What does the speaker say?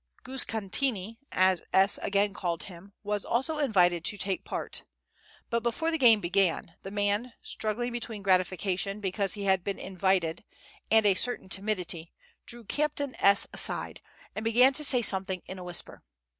Guskantini, as S. again called him, was also invited to take part; but before the game began, the man, struggling between gratification because he had been invited and a certain timidity, drew Captain S. aside, and began to say something in a whisper.